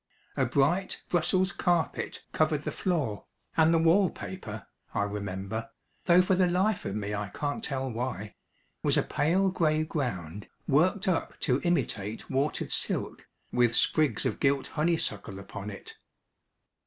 A bright Brussels carpet covered the floor, and the wall paper, I remember though for the life of me I can't tell why was a pale grey ground, worked up to imitate watered silk, with sprigs of gilt honeysuckle upon it.